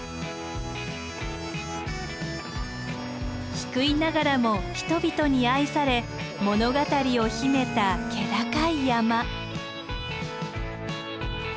低いながらも人々に愛され物語を秘めた気高い山。